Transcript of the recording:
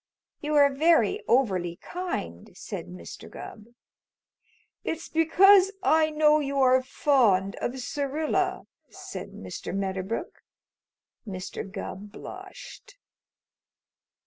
"You are very overly kind," said Mr. Gubb. "It's because I know you are fond of Syrilla," said Mr. Medderbrook. Mr. Gubb blushed.